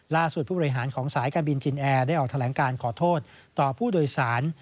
ผู้บริหารของสายการบินจินแอร์ได้ออกแถลงการขอโทษต่อผู้โดยสาร